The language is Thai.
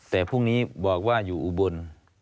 แต่พรุ่งนี้บอกว่าอยู่อุบล